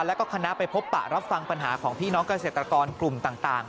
แล้วก็คณะไปพบปะรับฟังปัญหาของพี่น้องเกษตรกรกลุ่มต่าง